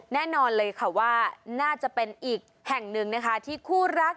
แน่นอนเลยค่ะว่าน่าจะเป็นอีกแห่งหนึ่งนะคะที่คู่รัก